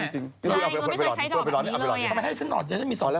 ใช่เราไม่ต้องกินดอกแบบนี้เลย